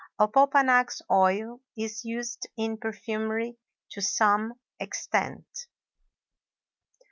Opopanax oil is used in perfumery to some extent.